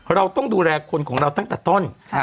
เราต้องดูแลคนของเราตั้งแต่ต้น